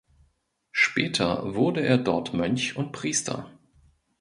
Später wurde er dort Mönch und Priester.